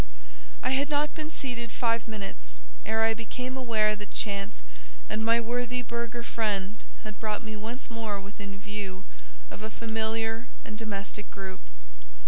I had not been seated five minutes, ere I became aware that chance and my worthy burgher friend had brought me once more within view of a familiar and domestic group.